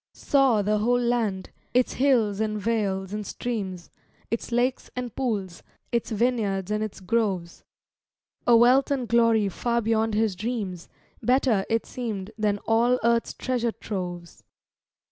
Saw the whole land its hills and vales and streams, Its lakes and pools, its vineyards and its groves, A wealth and glory far beyond his dreams; Better, it seemed, than all earth's treasure troves.